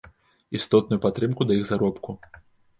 Істотную падтрымку да іх заробку.